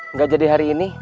enggak jadi hari ini